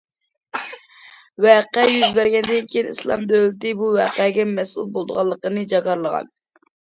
ۋەقە يۈز بەرگەندىن كېيىن،« ئىسلام دۆلىتى» بۇ ۋەقەگە مەسئۇل بولىدىغانلىقىنى جاكارلىغان.